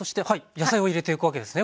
野菜を入れていくわけですね